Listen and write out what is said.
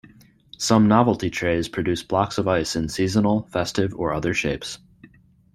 Some novelty trays produce blocks of ice in seasonal, festive or other shapes.